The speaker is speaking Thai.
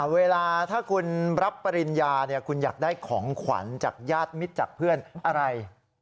เวลาถ้าคุณรับปริญญาคุณอยากได้ของขวัญจากญาติมิตรจากเพื่อนอะไร